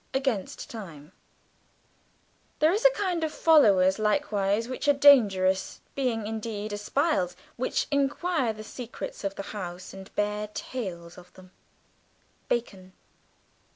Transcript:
Against Time "There is a kind of Followers likewise, which are dangerous, being indeed Espials; which enquire the Secrets of the House and beare Tales of them." BACON.